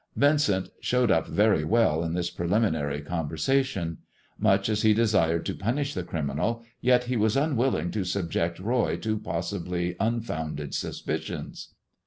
Vincent showed up very well in this preliminary con versation. Much as he desired to punish the criminal, ye* he was unwilling to subject Boy to possibly unfounded suspicions.